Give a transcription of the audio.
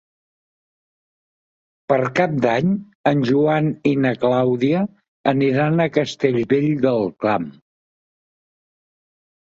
Per Cap d'Any en Joan i na Clàudia aniran a Castellvell del Camp.